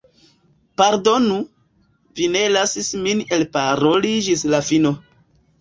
Pardonu, vi ne lasis min elparoli ĝis la fino.